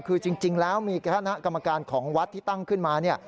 คือจริงแล้วมีคณะกรรมการของวัดที่ตั้งขึ้นมา